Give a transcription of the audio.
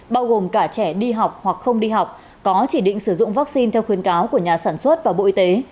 bao gồm cả trẻ đi học hoặc không đi học có chỉ định sử dụng vaccine theo khuyến cáo của nhà sản xuất và bộ y tế